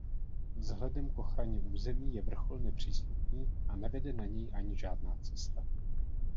Vzhledem k ochraně území je vrchol nepřístupný a nevede na něj ani žádná cesta.